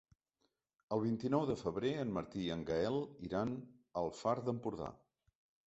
El vint-i-nou de febrer en Martí i en Gaël iran al Far d'Empordà.